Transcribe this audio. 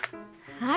はい。